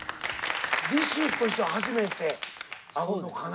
ＤＩＳＨ／／としては初めて会うのかな。